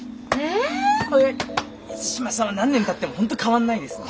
水島さんは何年たっても本当変わんないですね。